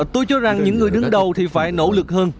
tôi cho rằng những người đứng đầu thì phải nỗ lực hơn